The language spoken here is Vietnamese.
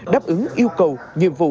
đáp ứng yêu cầu nhiệm vụ